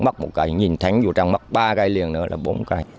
thì mất một cây nhìn thánh vô trong mất ba cây liền nữa là bốn cây